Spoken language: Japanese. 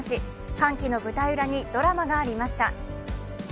歓喜の舞台裏にドラマがありました。